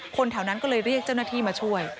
คนแถวนั้นก็เลยเรียกเจ้าหน้าที่มาช่วย